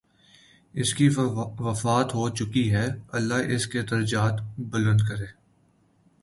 اس کی وفات ہو چکی ہے، اللہ اس کے درجات بلند کرے۔